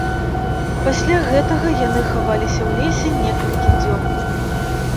Пасля гэтага яны хаваліся ў лесе некалькі дзён.